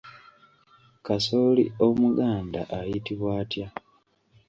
Kasooli Omuganda ayitibwa atya?